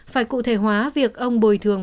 phải cụ thể hóa việc ông bồi thường